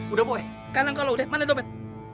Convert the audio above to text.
udah boy kanan kau lo deh mana temen